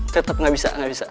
tetep gak bisa gak bisa